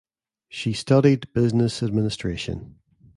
She studied Business Administration.